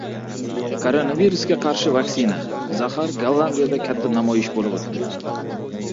"Koronavirusga qarshi vaksina — zahar": Gollandiyada katta namoyish bo‘lib o‘tdi